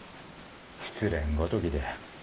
失恋ごときで。